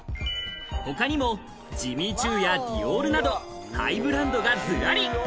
他にもジミーチュウやＤＩＯＲなど、ハイブランドがずらり。